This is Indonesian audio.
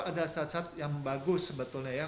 ada sacat yang bagus sebetulnya ya